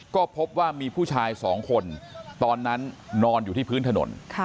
ก็พบว่ามีผู้ชายสองคนตอนนั้นนอนอยู่ที่พื้นถนน